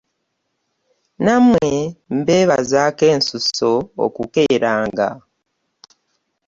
Nammwe mbeebaza akensuso okukeeranga.